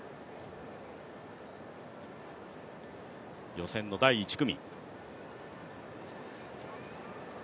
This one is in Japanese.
予選の第１組。